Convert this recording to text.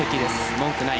文句ない。